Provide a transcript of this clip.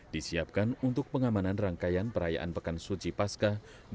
disiapkan untuk pengamanan rangkaian perayaan pekan suci pasca dua ribu dua puluh